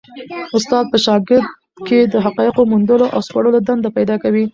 استاد په شاګرد کي د حقایقو د موندلو او سپړلو تنده پیدا کوي.